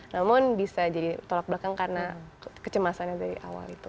namun bisa jadi berkurang karena kecemasannya dari awal itu